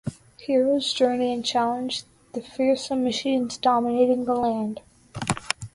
Heroes journey and challenge the fearsome machines dominating the land.